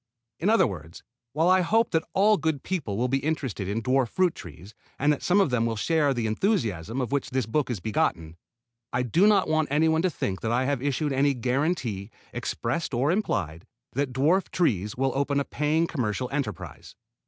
In other words, while I hope that all good people will be interested in dwarf fruit trees and that some of them will share the enthusiasm of which this book is begotten, I do not want anyone to think that I have issued any guaranty, expressed or implied, that dwarf trees will open a paying commercial enterprise.